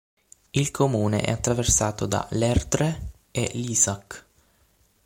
Il comune è attraversato da l'Erdre e l'Isac.